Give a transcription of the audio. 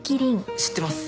知ってます。